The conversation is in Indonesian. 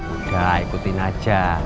udah ikutin aja